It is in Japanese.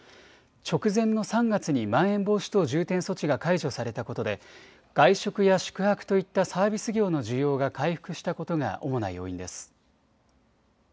直前の３月に、まん延防止等重点措置が解除されたことで外食や宿泊といったサービス業の需要が回復したことが主な要因です。